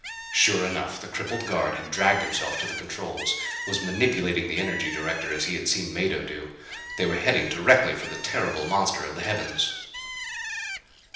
Sure enough, the crippled guard had dragged himself to the controls; was manipulating the energy director as he had seen Mado do. They were heading directly for the terrible monster of the heavens!